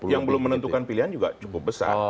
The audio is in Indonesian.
yang belum menentukan pilihan juga cukup besar